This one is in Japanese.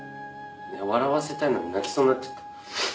笑わせたいのに泣きそうになっちゃった。